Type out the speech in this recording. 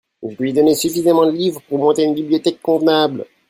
Je lui ai donné suffisamment de livres pour monter une bibliothèque convenable.